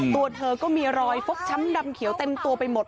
ตัวเธอก็มีรอยฟกช้ำดำเขียวเต็มตัวไปหมด